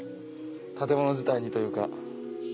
建物自体にというか。